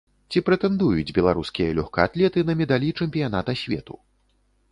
Ці прэтэндуюць беларускія лёгкаатлеты на медалі чэмпіяната свету?